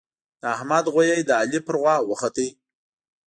د احمد غويی د علي پر غوا وخوت.